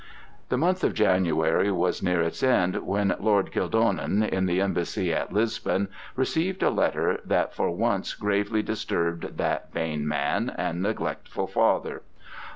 The month of January was near its end when Lord Kildonan, in the Embassy at Lisbon, received a letter that for once gravely disturbed that vain man and neglectful father.